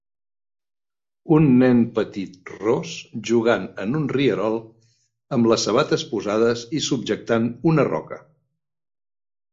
Un nen petit ros jugant en un rierol amb les sabates posades i subjectant una roca.